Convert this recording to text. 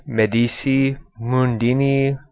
Medici . Mundini .